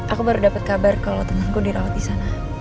aku baru dapet kabar kalau temenku dirawat di sana